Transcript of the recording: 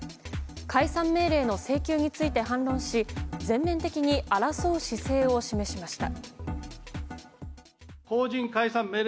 解散命令の請求について反論し全面的に争う姿勢を示しました。